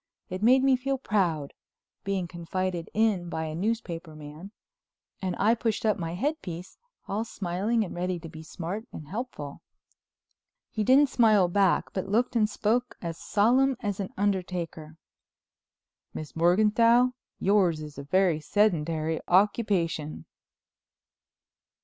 It made me feel proud, being confided in by a newspaper man, and I pushed up my headpiece, all smiling and ready to be smart and helpful. He didn't smile back but looked and spoke as solemn as an undertaker. "Miss Morganthau, yours is a very sedentary occupation."